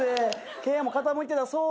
経営も傾いてたそうで。